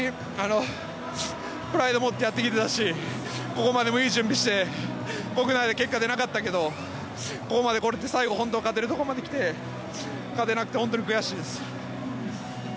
プライドを持ってやってきたし、ここまでも、いい準備をして、結果出なかったけれども、ここまでこれて最後、本当に勝てるところまで来て、勝てなくて本当に悔しいです。